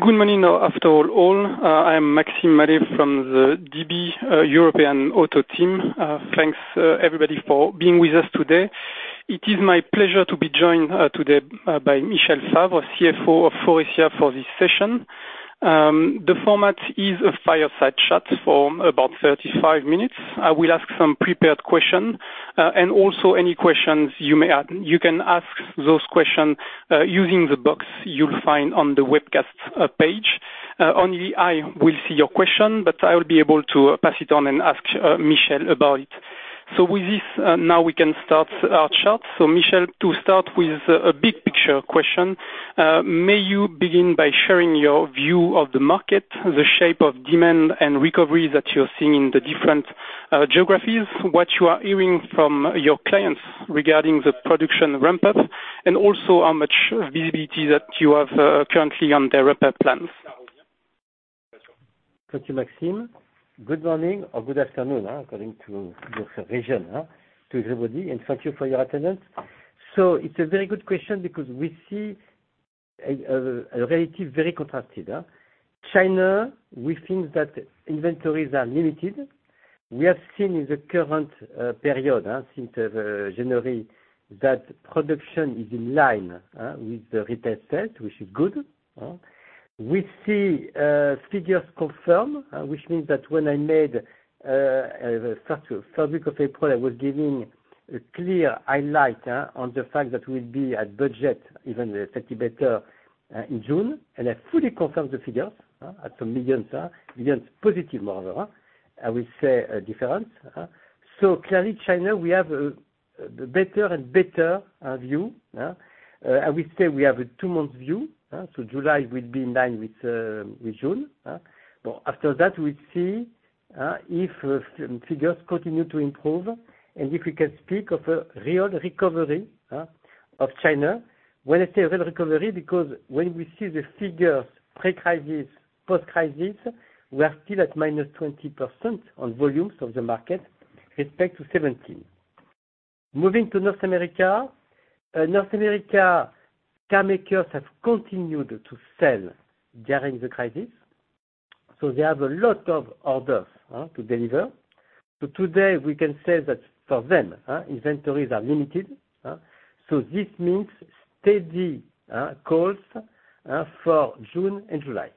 Good morning, after all. I am Maxime Marie from the DB European Auto Team. Thanks, everybody, for being with us today. It is my pleasure to be joined today by Michel Favre, CFO of Faurecia, for this session. The format is a fireside chat for about 35 minutes. I will ask some prepared question, and also any questions you may have. You can ask those question using the box you'll find on the webcast page. Only I will see your question, but I will be able to pass it on and ask Michel about it. With this, now we can start our chat. Michel, to start with a big picture question, may you begin by sharing your view of the market, the shape of demand and recovery that you're seeing in the different geographies, what you are hearing from your clients regarding the production ramp-up, and also how much visibility that you have currently on their ramp-up plans? Thank you, Maxime. Good morning or good afternoon, according to your region, to everybody, and thank you for your attendance. It's a very good question because we see a relative very contrasted. China, we think that inventories are limited. We have seen in the current period, since January, that production is in line with the retail sales, which is good. We see figures confirm, which means that when I made the start of uncertain of April, I was giving a clear highlight on the fact that we'll be at budget, even slightly better, in June. I fully confirm the figures at some millions EUR. Millions EUR positive, moreover, I will say a difference. Clearly, China, we have a better and better view. I will say we have a two-month view. July will be in line with June. After that, we'll see if figures continue to improve and if we can speak of a real recovery of China. When I say a real recovery, because when we see the figures pre-crisis, post-crisis, we are still at -20% on volumes of the market respect to 2017. Moving to North America. North America, car makers have continued to sell during the crisis. They have a lot of orders to deliver. Today, we can say that for them, inventories are limited. This means steady calls for June and July.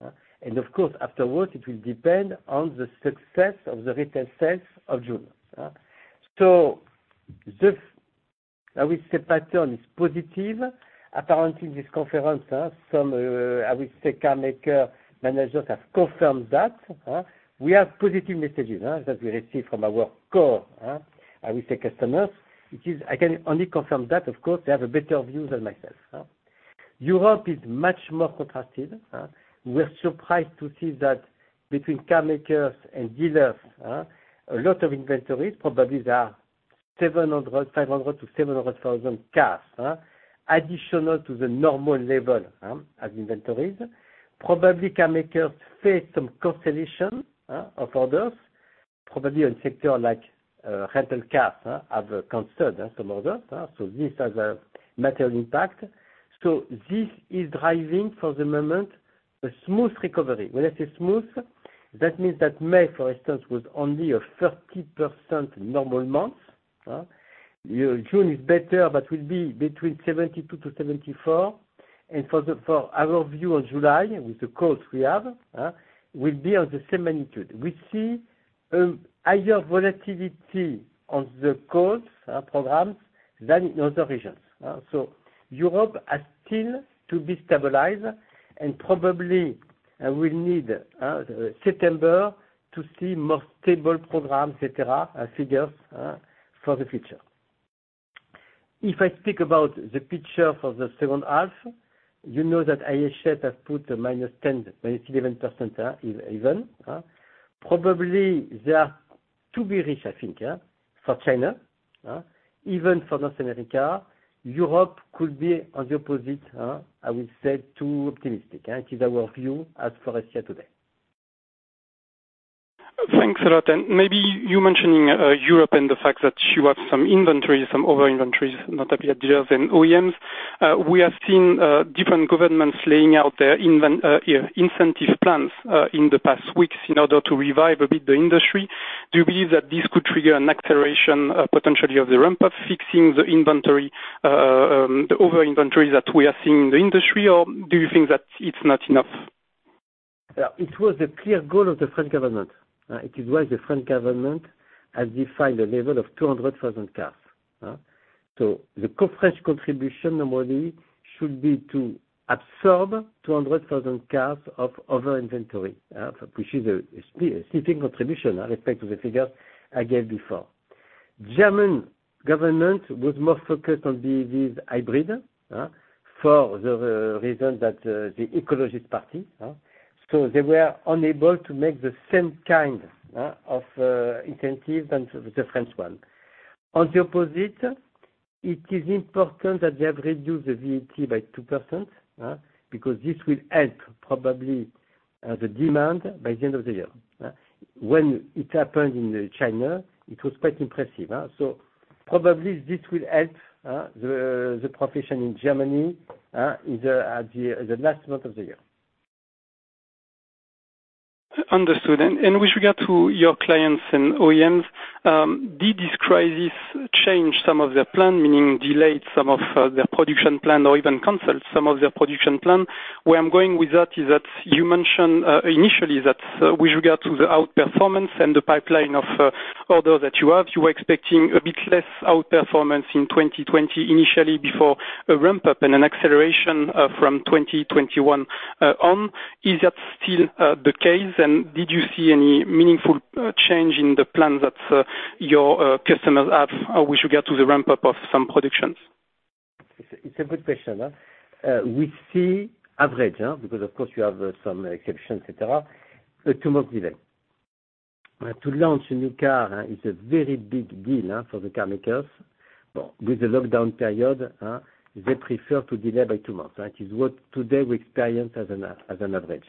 Of course, afterwards, it will depend on the success of the retail sales of June. This, I will say, pattern is positive. Apparently, this conference, some, I will say, car maker managers have confirmed that. We have positive messages that we receive from our core, I will say, customers. I can only confirm that. Of course, they have a better view than myself. Europe is much more contrasted. We're surprised to see that between car makers and dealers, a lot of inventories, probably there are 500,000-700,000 cars, additional to the normal level as inventories. Probably car makers face some cancellation of orders, probably on sector like rental cars have canceled some orders. This has a material impact. This is driving, for the moment, a smooth recovery. When I say smooth, that means that May, for instance, was only a 30% normal month. June is better, but will be between 72%-74%. For our view on July, with the calls we have, will be on the same magnitude. We see a higher volatility on the calls, programs, than in other regions. Europe has still to be stabilized, and probably we'll need September to see more stable programs, et cetera, figures for the future. If I speak about the picture for the second half, you know that IHS has put 10%-11% even. Probably they are too rich, I think, for China. Even for North America. Europe could be on the opposite, I will say, too optimistic. It is our view at Faurecia today. Thanks a lot. Maybe you mentioning Europe and the fact that you have some inventory, some over inventories, not only at dealers and OEMs. We have seen different governments laying out their incentive plans in the past weeks in order to revive a bit the industry. Do you believe that this could trigger an acceleration, potentially, of the ramp-up, fixing the over inventory that we are seeing in the industry? Do you think that it's not enough? It was a clear goal of the French government. It is why the French government has defined a level of 200,000 cars. The core French contribution, number one, should be to absorb 200,000 cars of over inventory, which is a sleeping contribution respect to the figures I gave before. German government was more focused on these hybrid for the reason that the ecologist party. They were unable to make the same kind of incentive than the French one. On the opposite, it is important that they have reduced the VAT by 2% because this will help, probably, the demand by the end of the year. When it happened in China, it was quite impressive. Probably this will help the production in Germany in the last month of the year. Understood. With regard to your clients and OEMs, did this crisis change some of their plant, meaning delayed some of their production plant or even canceled some of their production plant? Where I'm going with that is that you mentioned initially that with regard to the outperformance and the pipeline of orders that you have, you were expecting a bit less outperformance in 2020 initially before a ramp-up and an acceleration from 2021 on. Is that still the case? Did you see any meaningful change in the plant that your customers have with regard to the ramp-up of some productions? It's a good question. We see average, because of course you have some exceptions, et cetera, a two month delay. To launch a new car is a very big deal for the car makers. With the lockdown period, they prefer to delay by two months. It's what today we experience as an average.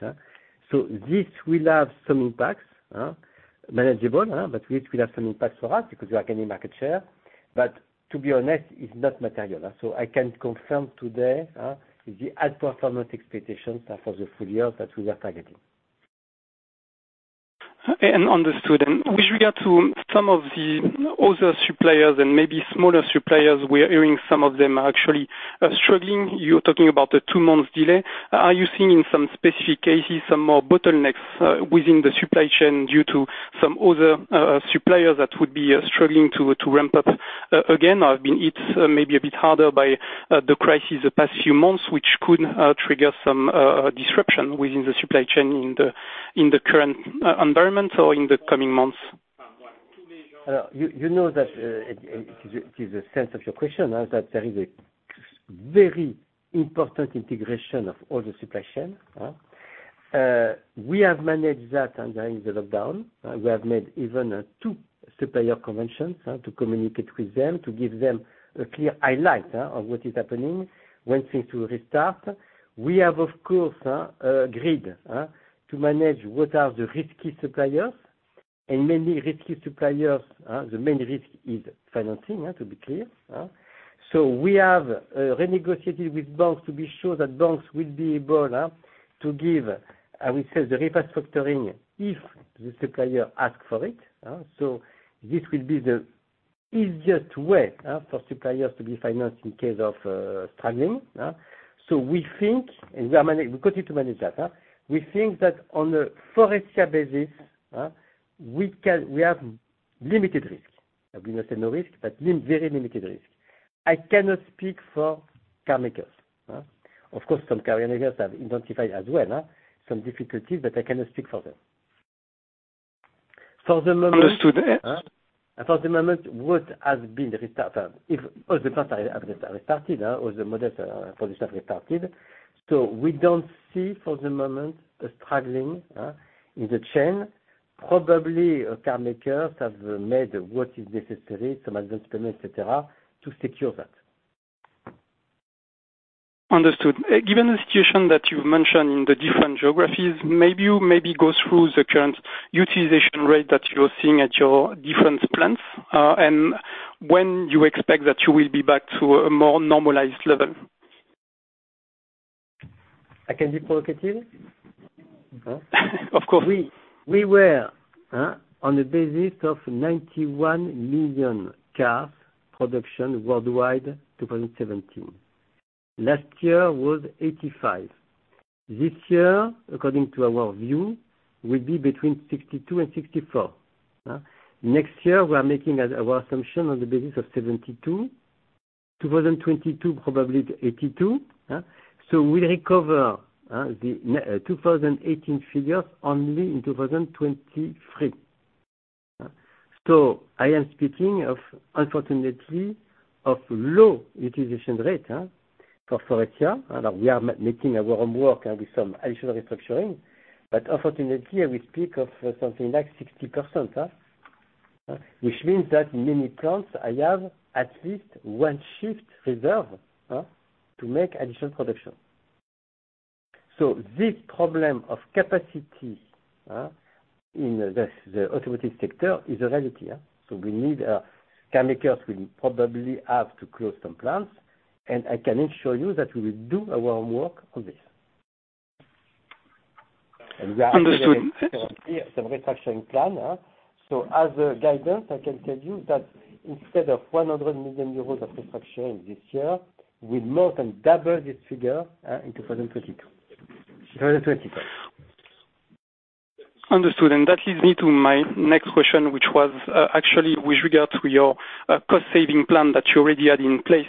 This will have some impacts, manageable, but it will have some impact for us because we are gaining market share. To be honest, it's not material. I can confirm today the outperformance expectations for the full year that we are targeting. Understood. With regard to some of the other suppliers and maybe smaller suppliers, we are hearing some of them are actually struggling. You're talking about a two-month delay. Are you seeing in some specific cases some more bottlenecks within the supply chain due to some other suppliers that would be struggling to ramp up again or have been hit maybe a bit harder by the crisis the past few months, which could trigger some disruption within the supply chain in the current environment or in the coming months? You know that it is the sense of your question, that there is a very important integration of all the supply chain. We have managed that during the lockdown. We have made even two supplier conventions to communicate with them, to give them a clear highlight of what is happening, when things will restart. We have, of course, a grid to manage what are the risky suppliers. Many risky suppliers, the main risk is financing, to be clear. We have renegotiated with banks to be sure that banks will be able to give, I will say, the reverse factoring if the supplier asks for it. This will be the easiest way for suppliers to be financed in case of struggling. We think, and we continue to manage that. We think that on a Faurecia basis, we have limited risk. I will not say no risk, but very limited risk. I cannot speak for car makers. Of course, some car makers have identified as well some difficulties, but I cannot speak for them. Understood For the moment, what has been restarted, all the plants have restarted, all the molds for this have restarted. We don't see for the moment a struggling in the chain. Probably car makers have made what is necessary, some advancement, et cetera, to secure that. Understood. Given the situation that you've mentioned in the different geographies, maybe you go through the current utilization rate that you're seeing at your different plants and when you expect that you will be back to a more normalized level. I can be provocative? Of course. We were on a basis of 91 million cars production worldwide 2017. Last year was 85. This year, according to our view, will be between 62 and 64. Next year, we are making our assumption on the basis of 72. 2022, probably 82. We recover the 2018 figures only in 2023. I am speaking, unfortunately, of low utilization rate for Faurecia. Now we are making our own work with some additional restructuring. Unfortunately, we speak of something like 60%, which means that many plants I have at least one shift reserved to make additional production. This problem of capacity in the automotive sector is a reality. Car makers will probably have to close some plants, and I can assure you that we will do our homework on this. Understood. We are preparing some restructuring plan. As a guidance, I can tell you that instead of 100 million euros of restructuring this year, we'll more than double this figure in 2022. Understood. That leads me to my next question, which was actually with regard to your cost-saving plan that you already had in place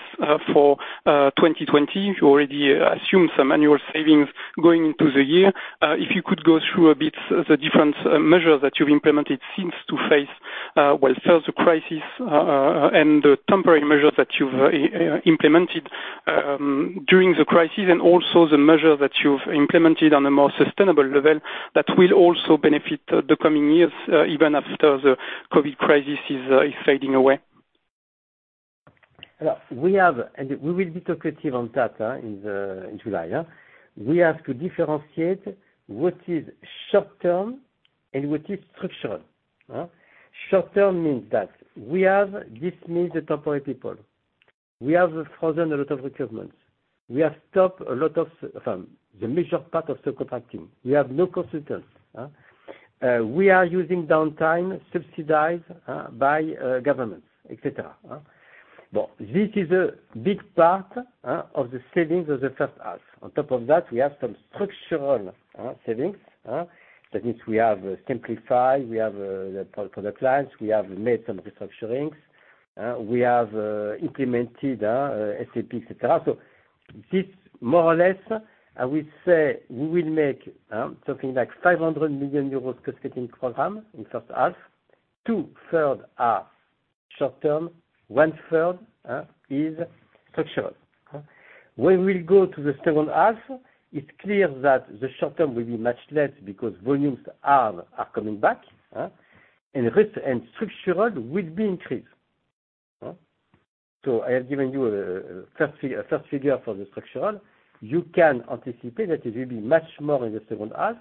for 2020. You already assumed some annual savings going into the year. If you could go through a bit the different measures that you've implemented since to face, well, first the crisis and the temporary measures that you've implemented during the crisis, and also the measures that you've implemented on a more sustainable level that will also benefit the coming years, even after the COVID crisis is fading away. We will be talkative on that in July. We have to differentiate what is short term and what is structural. Short term means that we have dismissed the temporary people. We have frozen a lot of requirements. We have stopped the major part of subcontracting. We have no consultants. We are using downtime subsidized by governments, et cetera. This is a big part of the savings of the first half. On top of that, we have some structural savings. That means we have simplified. We have the product lines. We have made some restructurings. We have implemented SAP, et cetera. This more or less, I would say we will make something like 500 million euros cost-cutting program in first half, two-third are short-term, one-third is structural. When we go to the second half, it's clear that the short term will be much less because volumes are coming back. Structural will be increased. I have given you a first figure for the structural. You can anticipate that it will be much more in the second half.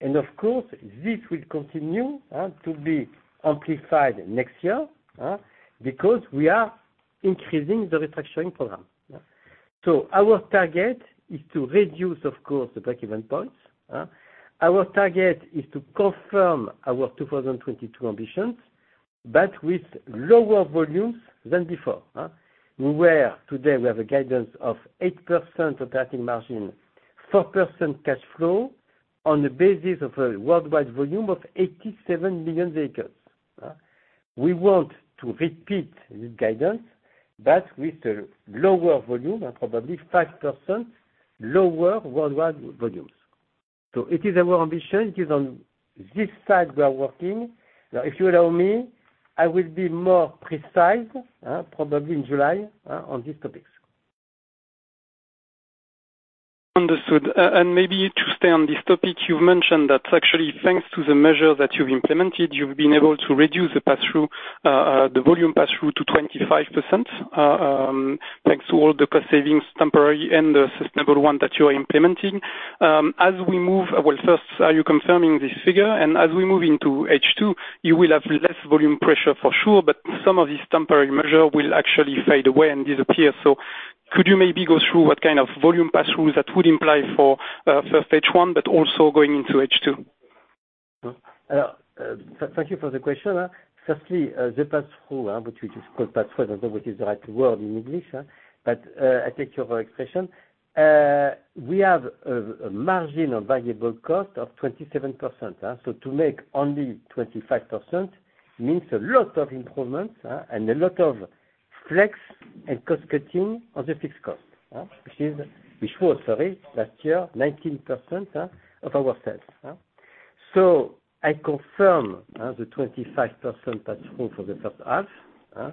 Of course, this will continue to be amplified next year, because we are increasing the restructuring program. Our target is to reduce, of course, the break-even points. Our target is to confirm our 2022 ambitions, but with lower volumes than before. Today, we have a guidance of 8% operating margin, 4% cash flow on the basis of a worldwide volume of 87 million vehicles. We want to repeat this guidance, but with a lower volume of probably 5% lower worldwide volumes. It is our ambition. It is on this side we are working. If you allow me, I will be more precise, probably in July, on these topics. Understood. Maybe to stay on this topic, you've mentioned that actually, thanks to the measure that you've implemented, you've been able to reduce the volume passthrough to 25%, thanks to all the cost savings, temporary and the sustainable one that you are implementing. Well, first, are you confirming this figure? As we move into H2, you will have less volume pressure for sure, but some of these temporary measure will actually fade away and disappear. Could you maybe go through what kind of volume passthroughs that would imply for first H1, but also going into H2? Thank you for the question. Firstly, the passthrough, which we just call passthrough, I don't know which is the right word in English, I take your expression. We have a margin on variable cost of 27%. To make only 25% means a lot of improvements and a lot of flex and cost-cutting on the fixed cost, which was last year 19% of our sales. I confirm the 25% passthrough for the first half.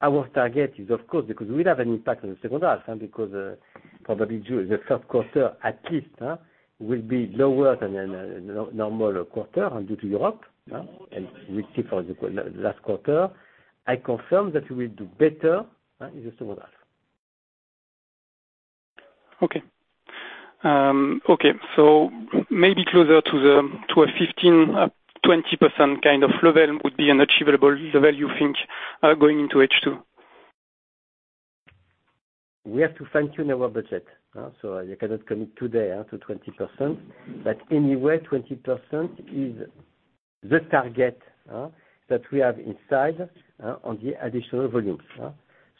Our target is, of course, because we'll have an impact on the second half, because probably the third quarter at least, will be lower than a normal quarter due to Europe. We'll see for the last quarter. I confirm that we will do better in the second half. Maybe closer to a 15%-20% kind of level would be an achievable level, you think, going into H2? We have to fine-tune our budget. You cannot commit today to 20%. Anyway, 20% is the target that we have inside on the additional volumes.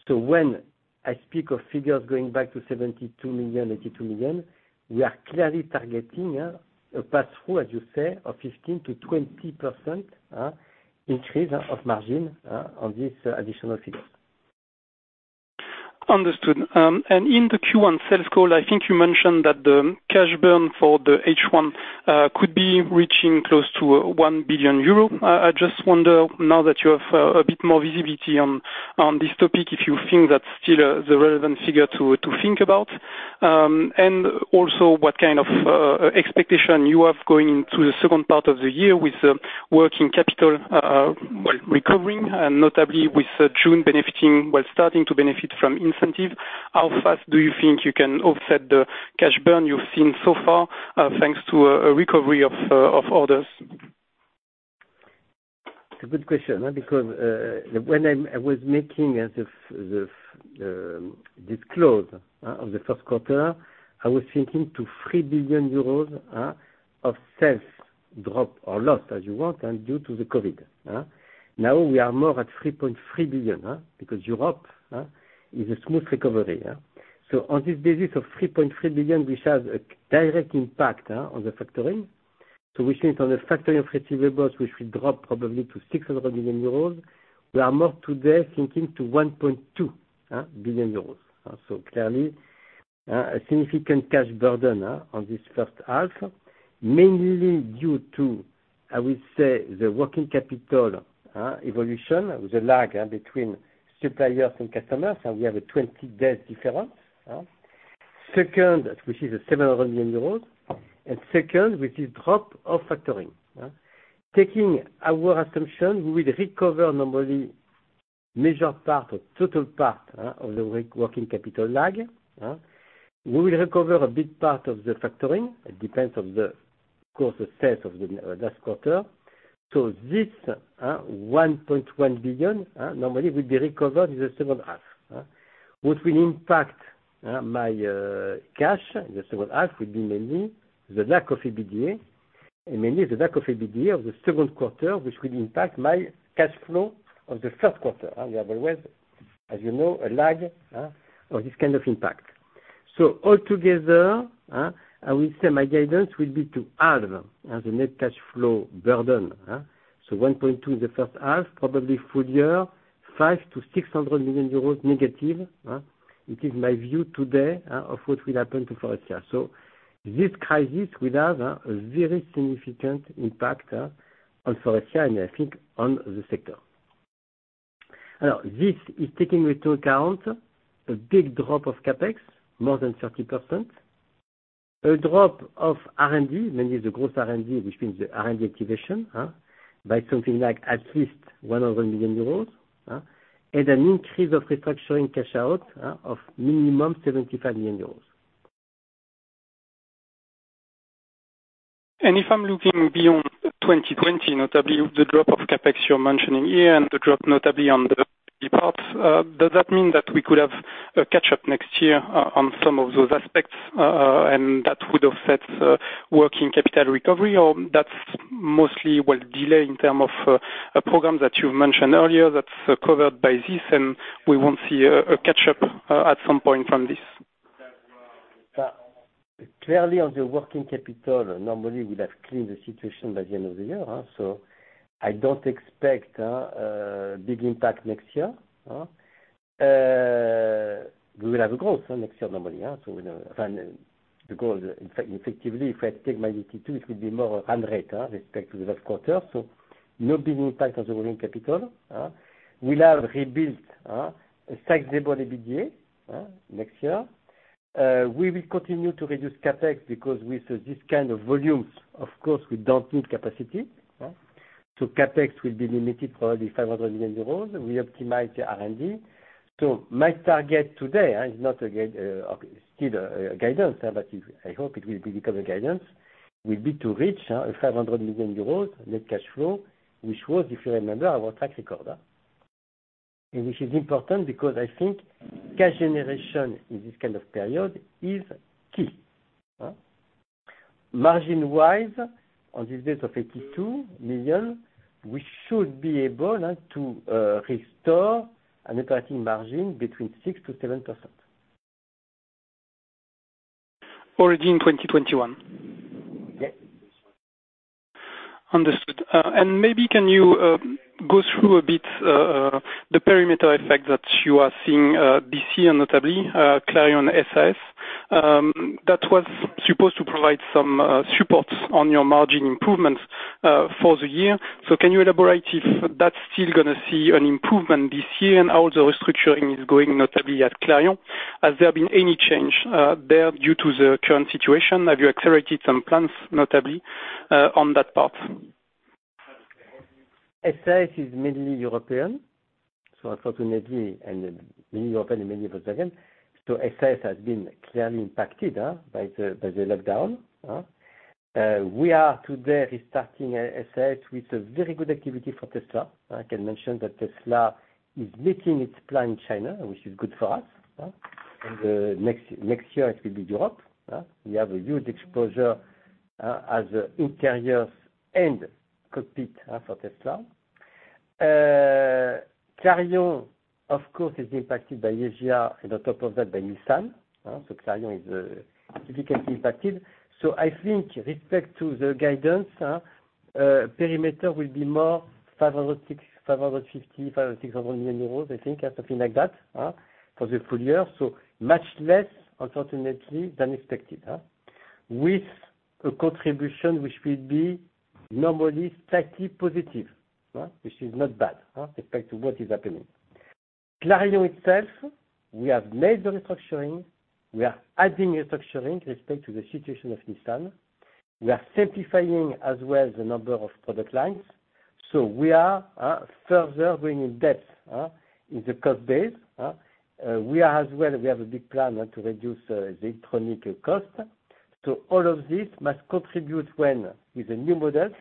When I speak of figures going back to 72 million, 82 million, we are clearly targeting a passthrough, as you say, of 15%-20% increase of margin on these additional figures. Understood. In the Q1 sales call, I think you mentioned that the cash burn for the H1 could be reaching close to 1 billion euro. I just wonder now that you have a bit more visibility on this topic, if you think that's still the relevant figure to think about. Also what kind of expectation you have going into the second part of the year with the working capital recovering and notably with June starting to benefit from incentive. How fast do you think you can offset the cash burn you've seen so far, thanks to a recovery of orders? It's a good question, because when I was making this close of the first quarter, I was thinking to 3 billion euros of sales drop or loss as you want due to the COVID-19. We are more at 3.3 billion, because Europe is a smooth recovery. On this basis of 3.3 billion, which has a direct impact on the factoring, which means on the factoring of receivables, which will drop probably to 600 million euros. We are more today thinking to 1.2 billion euros. Clearly, a significant cash burden on this first half, mainly due to, I would say, the working capital evolution with the lag between suppliers and customers, and we have a 20 days difference. Second, which is a 700 million euros, with this drop of factoring. Taking our assumption, we will recover normally major part or total part of the working capital lag. We will recover a big part of the factoring. It depends on the course of sales of the last quarter. This 1.1 billion, normally will be recovered in the second half. What will impact my cash in the second half will be mainly the lack of EBITDA, and mainly the lack of EBITDA of the second quarter, which will impact my cash flow of the first quarter. We have always, as you know, a lag of this kind of impact. All together, I will say my guidance will be to halve as a net cash flow burden. 1.2 billion in the first half, probably full year, 500 million-600 million euros negative. It is my view today of what will happen to Faurecia. This crisis will have a very significant impact on Faurecia and I think on the sector. This is taking into account a big drop of CapEx, more than 30%, a drop of R&D, mainly the gross R&D, which means the R&D activation, by something like at least 100 million euros, and an increase of restructuring cash out of minimum 75 million euros. If I'm looking beyond 2020, notably the drop of CapEx you're mentioning here and the drop notably on the EBITDA, does that mean that we could have a catch-up next year on some of those aspects, and that would affect working capital recovery, or that's mostly well delay in term of a program that you've mentioned earlier that's covered by this, and we won't see a catch-up at some point from this? On the working capital, normally we'd have cleaned the situation by the end of the year. I don't expect a big impact next year. We will have growth next year, normally. The growth, effectively, if I take my 2022, it will be modarate, respect to the last quarter. No big impact on the working capital. We'll have rebuilt a taxable EBITDA, next year. We will continue to reduce CapEx because with this kind of volumes, of course, we don't need capacity. CapEx will be limited, probably 500 million euros. We optimize the R&D. My target today is not still a guidance, but I hope it will become a guidance, will be to reach 500 million euros net cash flow, which was, if you remember, our track record. Which is important because I think cash generation in this kind of period is key. Margin-wise, on this base of 82 million, we should be able to restore an operating margin between 6%-7%. Already in 2021? Yes. Understood. Maybe can you go through a bit the perimeter effect that you are seeing this year, notably, Clarion and SAS. That was supposed to provide some support on your margin improvements for the year. Can you elaborate if that's still going to see an improvement this year and how the restructuring is going, notably at Clarion? Has there been any change there due to the current situation? Have you accelerated some plans, notably, on that part? SAS is mainly European. Unfortunately, and mainly European and mainly Brazilian. SAS has been clearly impacted by the lockdown. We are today restarting SAS with a very good activity for Tesla. I can mention that Tesla is making its plan in China, which is good for us. Next year, it will be Europe. We have a huge exposure as interiors and cockpit for Tesla. Clarion, of course, is impacted by JLR and on top of that, by Nissan. Clarion is significantly impacted. I think with respect to the guidance, perimeter will be more 550, 500 million-600 million euros, I think, something like that, for the full year. Much less, unfortunately, than expected. With a contribution which will be normally slightly positive, which is not bad respect to what is happening. Clarion itself, we have made the restructuring. We are adding restructuring respect to the situation of Nissan. We are simplifying as well the number of product lines. We are further going in depth in the cost base. We have a big plan to reduce the electronic cost. All of this must contribute when with the new models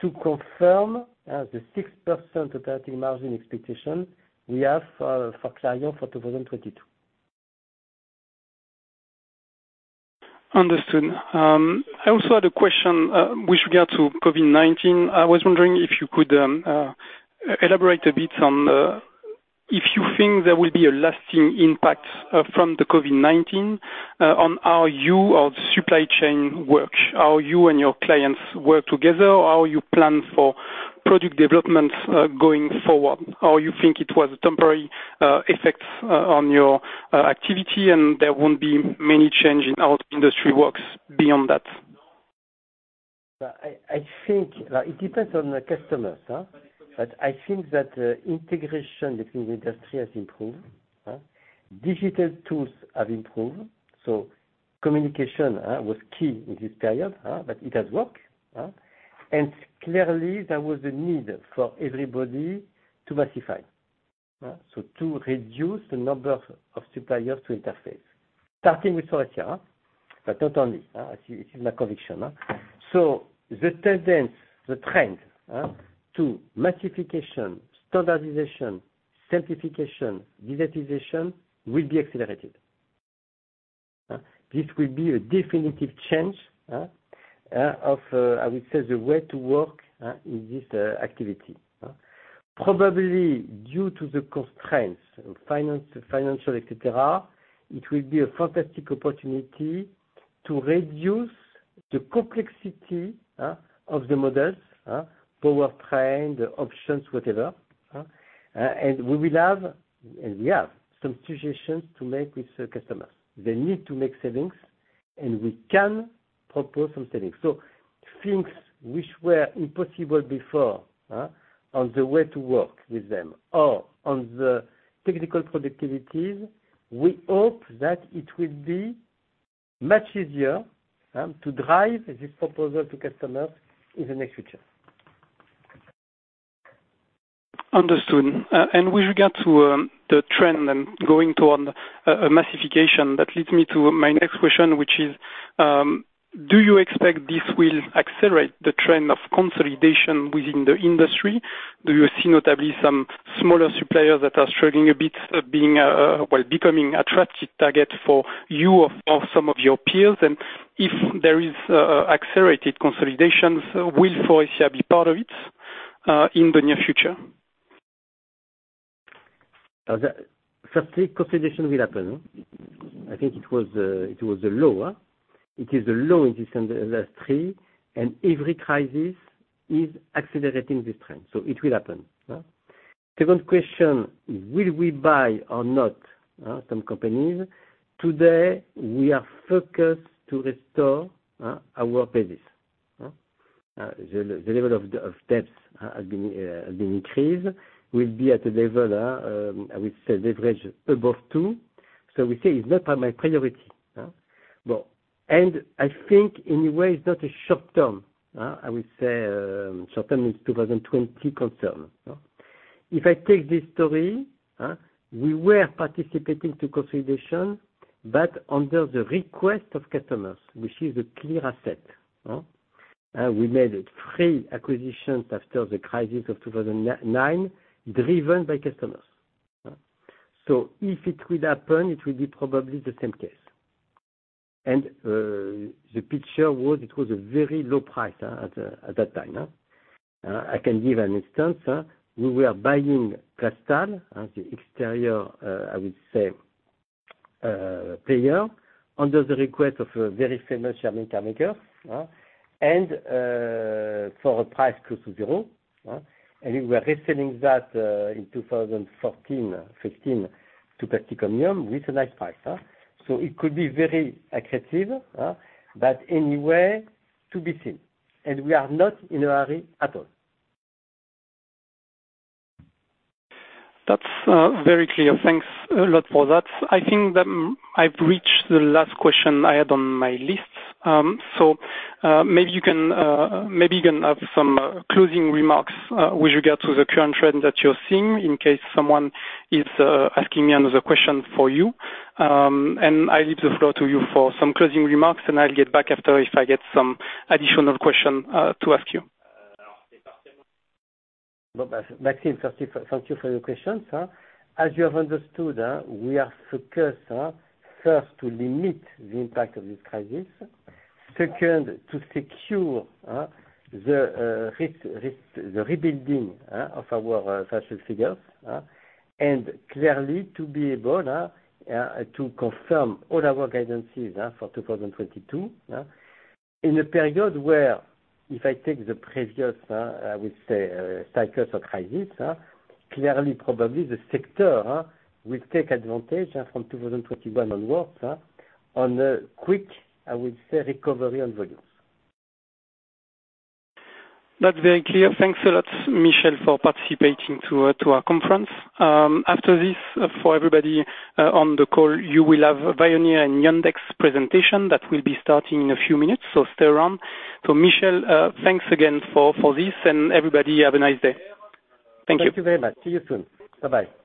to confirm the 6% operating margin expectation we have for Clarion for 2022. Understood. I also had a question with regard to COVID-19. I was wondering if you could elaborate a bit on if you think there will be a lasting impact from the COVID-19 on how you or the supply chain work, how you and your clients work together, how you plan for product development going forward, or you think it was a temporary effect on your activity, and there won't be many changes in how the industry works beyond that? I think it depends on the customers. I think that integration between the industry has improved. Digital tools have improved. Communication was key in this period, but it has worked. Clearly there was a need for everybody to massify. To reduce the number of suppliers to interface, starting with Faurecia, but not only. This is my conviction. The trend to massification, standardization, simplification, digitization will be accelerated. This will be a definitive change of, I would say, the way to work in this activity. Probably due to the constraints, financial, et cetera, it will be a fantastic opportunity to reduce the complexity of the models, powertrain, the options, whatever. We have some suggestions to make with customers. They need to make savings, and we can propose some savings. Things which were impossible before on the way to work with them or on the technical productivities, we hope that it will be much easier to drive this proposal to customers in the near future. Understood. With regard to the trend and going toward a massification, that leads me to my next question, which is, do you expect this will accelerate the trend of consolidation within the industry? Do you see notably some smaller suppliers that are struggling a bit, becoming attractive target for you or some of your peers? If there is accelerated consolidations, will Faurecia be part of it in the near future? Firstly, consolidation will happen. I think it was the law. It is the law in this industry, and every crisis is accelerating this trend. It will happen. Second question, will we buy or not some companies? Today, we are focused to restore our basis. The level of debts has been increased, will be at a level, I would say leverage above two. We say it's not my priority. Well, I think in a way, it's not a short term. I would say short term is 2020 concern. If I take this story, we were participating to consolidation under the request of customers, which is a clear asset. We made three acquisitions after the crisis of 2009, driven by customers. If it will happen, it will be probably the same case. The picture was, it was a very low price at that time. I can give an instance. We were buying Plastal, the exterior, I would say, player under the request of a very famous car maker. For a price close to zero. We were reselling that in 2014, 2015 to Plastic Omnium with a nice price. It could be very aggressive, but anyway, to be seen. We are not in a hurry at all. That's very clear. Thanks a lot for that. I think that I've reached the last question I had on my list. Maybe you can have some closing remarks with regard to the current trend that you're seeing in case someone is asking me another question for you. I leave the floor to you for some closing remarks, and I'll get back after if I get some additional question to ask you. Maxime, thank you for your questions. As you have understood, we are focused first to limit the impact of this crisis. Second, to secure the rebuilding of our financial figures. Clearly to be able to confirm all our guidances for 2022. In a period where, if I take the previous, I would say, cycles of crisis, clearly, probably the sector will take advantage from 2021 onwards on a quick, I would say, recovery on volumes. That's very clear. Thanks a lot, Michel, for participating to our conference. After this, for everybody on the call, you will have Veoneer and Yandex presentation that will be starting in a few minutes, stay around. Michel, thanks again for this, and everybody, have a nice day. Thank you. Thank you very much. See you soon. Bye-bye.